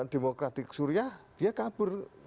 demokratik suriah dia kabur